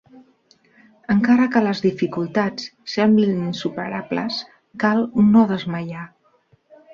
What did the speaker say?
Encara que les dificultats semblin insuperables cal no desmaiar.